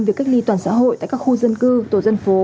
việc cách ly toàn xã hội tại các khu dân cư tổ dân phố